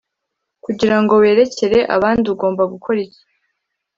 Kugira ngo werekere abandi ugomba gukora iki